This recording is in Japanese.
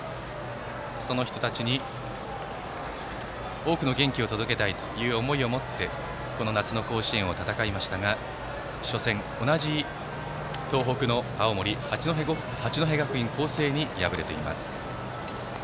その人たちに、多くの元気を届けたいという思いを持ってこの夏の甲子園を戦いましたが初戦、同じ東北の青森・八戸学院光星に敗れています。